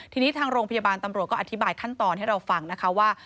ทีนี้ทางโรงพยาบาลตำรวจก็อธิบายขั้นตอนให้เราฟังนะคะว่า